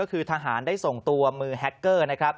คือทหารได้ส่งตัวมือแฮคเกอร์